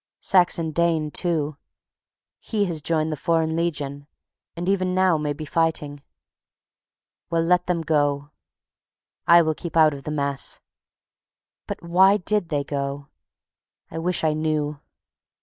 Saxon Dane too. He has joined the Foreign Legion, and even now may be fighting. Well, let them go. I will keep out of the mess. But why did they go? I wish I knew.